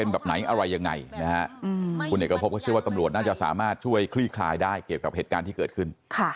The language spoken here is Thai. แดนี่ช่วยด้วย